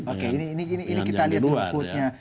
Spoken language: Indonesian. oke ini kita lihat inputnya